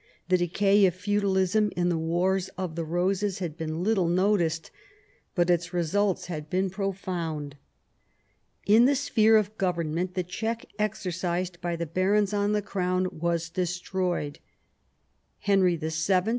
The decay of feudalism in the Wars of the Eoses had been little noticed, but its results had been profound. In the sphere of government the check exercised by the barons on the Crown was destroyed. Henry VII.